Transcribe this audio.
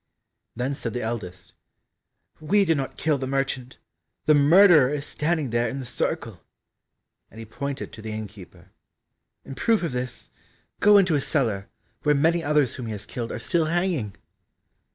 Then said the eldest, "We did not kill the merchant, the murderer is standing there in the circle," and he pointed to the innkeeper. "In proof of this, go into his cellar, where many others whom he has killed are still hanging."